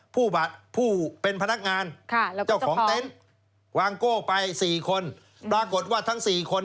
รวมทั้งหมด๖คัน